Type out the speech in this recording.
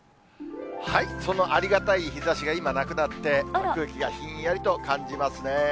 そのありがたい日ざしが今、なくなって、空気がひんやりと感じますね。